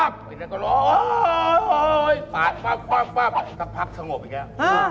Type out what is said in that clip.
ผมจัดการเลย